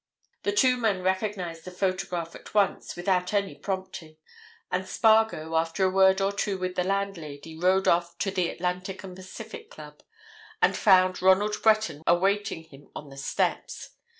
The two men recognized the photograph at once, without any prompting, and Spargo, after a word or two with the landlady, rode off to the Atlantic and Pacific Club, and found Ronald Breton awaiting him on the steps.